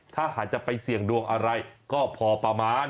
ถ้าหากจะไปเสี่ยงดวงอะไรก็พอประมาณ